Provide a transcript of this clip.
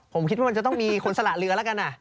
ผมคิดว่ามันจะต้องมีคนสละเรือแล้วกัน